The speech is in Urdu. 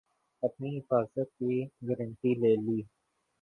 اپنی حفاظت کی گارنٹی لے لی